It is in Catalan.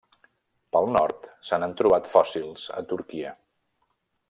Pel nord, se n'han trobat fòssils a Turquia.